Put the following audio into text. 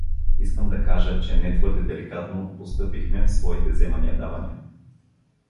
Искам да кажа, че не твърде деликатно постъпихме в своите земания-давания.